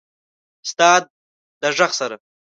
ستا د ږغ سره…